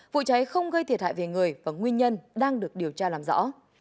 vụ cháy không gây thiệt hại về người và nguyên nhân đang được điều tra làm rõ